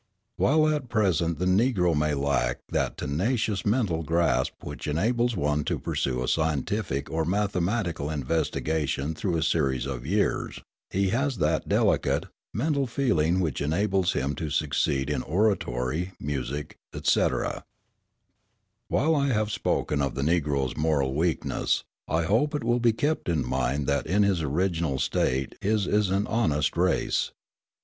While at present the Negro may lack that tenacious mental grasp which enables one to pursue a scientific or mathematical investigation through a series of years, he has that delicate, mental feeling which enables him to succeed in oratory, music, etc. While I have spoken of the Negro's moral weakness, I hope it will be kept in mind that in his original state his is an honest race.